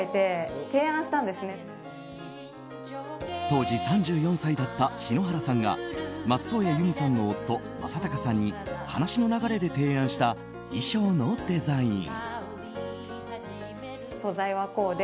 当時３４歳だった篠原さんが松任谷由実さんの夫・正隆さんに話の流れで提案した衣装のデザイン。